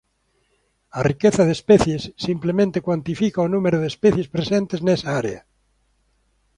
A riqueza de especies simplemente cuantifica o número de especies presentes nesa área.